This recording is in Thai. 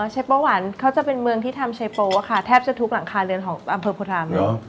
เชเปอร์หวานเขาจะเป็นเมืองที่ทำเชโปค่ะแทบจะทุกหลังคาเรือนของอำเภอโพธามเลย